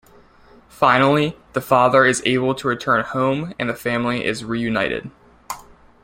Finally, the father is able to return home and the family is reunited.